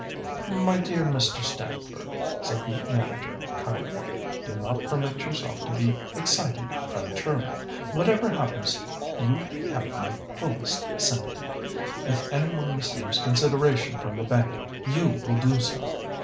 "My dear Mr. Stamford," said the manager kindly, "do not permit yourself to be excited prematurely. Whatever happens you have my fullest sympathy. If any one receives consideration from the bank, you will do so.